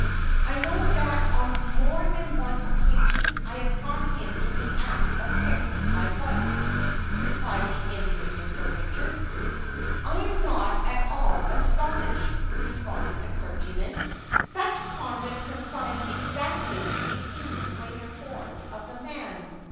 "I know that on more than one occasion I have caught him in the act of kissing my wife," replied the injured Mr. Richard. "I am not at all astonished," responded the clergyman; "such conduct coincides exactly with the opinion I had formed of the man.